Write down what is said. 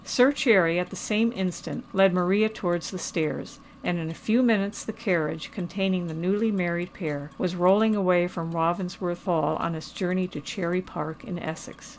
Sir Cherry at the same instant led Maria towards the stairs; and in a few minutes the carriage, containing the newly married pair, was rolling away from Ravensworth Hall on its journey to Cherry Park in Essex.